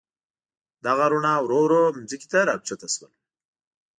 دغه رڼا ورو ورو مځکې ته راکښته شول.